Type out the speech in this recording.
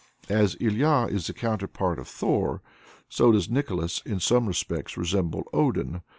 As Ilya is the counterpart of Thor, so does Nicholas in some respects resemble Odin.